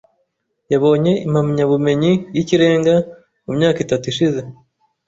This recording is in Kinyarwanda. Yabonye impamyabumenyi y'ikirenga mu myaka itatu ishize .